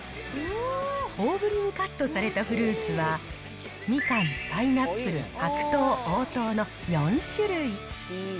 大ぶりにカットされたフルーツは、みかん、パイナップル、白桃、黄桃の４種類。